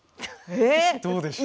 どうでしょう？